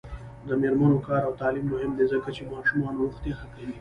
د میرمنو کار او تعلیم مهم دی ځکه چې ماشومانو روغتیا ښه کو.